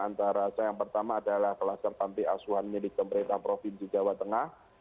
antara yang pertama adalah kluster pantai aswan milik pemerintah provinsi jawa tengah